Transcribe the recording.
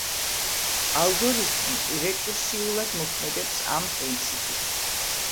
ალგორითმი რეკურსიულად მოქმედებს ამ პრინციპით.